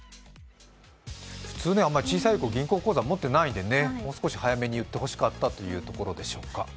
普通ね、小さい子、銀行口座持ってないんでね、もう少し早めに言ってほしかったというところでしょうか。